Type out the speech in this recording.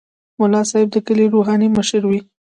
ملا صاحب د کلي روحاني مشر وي.